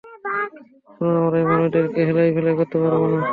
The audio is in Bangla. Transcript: শুনুন, আমরা এই মানুষদেরকে হেলাফেলা করতে পারবো না।